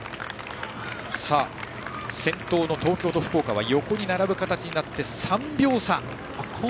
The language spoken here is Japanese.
先頭の東京と福岡は横に並ぶ形で３秒差。